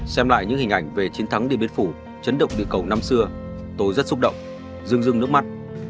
xem lại những hình ảnh về chiến thắng điện biên phủ chấn động địa cầu năm xưa tôi rất xúc động dưng rưng nước mắt